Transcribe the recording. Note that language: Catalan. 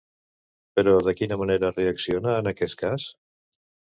Però de quina manera reacciona en aquest cas?